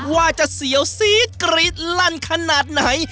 ว่าจะเสียวซีดกรี๊ดลั่นขนาดไหน